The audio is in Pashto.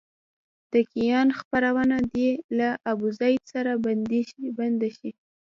د کیان خپرونه دې له ابوزید سره بنده شي.